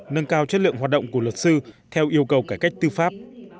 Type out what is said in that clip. nâng cao chất lượng hoạt động của luật sư theo yêu cầu cải cách tư pháp